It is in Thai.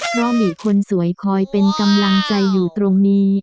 เพราะมีคนสวยคอยเป็นกำลังใจอยู่ตรงนี้